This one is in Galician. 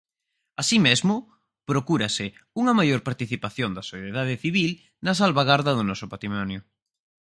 Así mesmo, procúrase unha maior participación da sociedade civil na salvagarda do noso patrimonio.